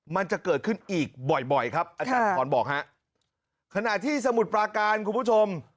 มันจะเกิดขึ้นอีกบ่อยบ่อยครับอาจารย์พรบอกฮะขณะที่สมุทรปราการคุณผู้ชม